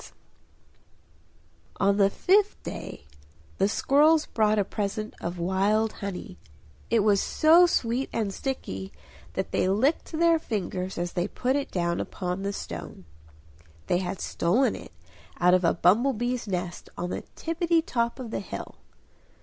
On the fifth day the squirrels brought a present of wild honey; it was so sweet and sticky that they licked their fingers as they put it down upon the stone. They had stolen it out of a bumble bees' nest on the tippitty top of the hill.